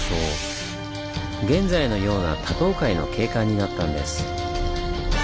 現在のような多島海の景観になったんです。